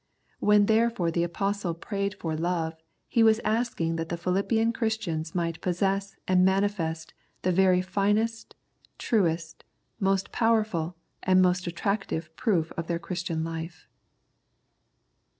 When therefore the Apostle prayed for love he was asking that the Philippian Christians might possess and mani fest the very finest, truest, most powerful, and most attractive proof of their Christian life.